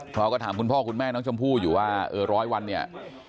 เราก็ถามคุณพ่อคุณแม่น้องชมพู่อยู่ว่าเออร้อยวันเนี่ย